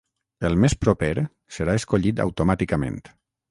El més proper serà escollit automàticament.